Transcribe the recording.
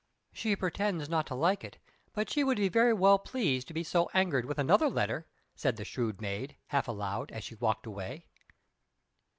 ] "She pretends not to like it, but she would be very well pleased to be so angered with another letter," said the shrewd maid, half aloud, as she walked away.